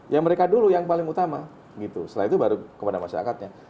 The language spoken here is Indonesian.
ya mereka dulu yang paling utama gitu setelah itu baru kepada masyarakatnya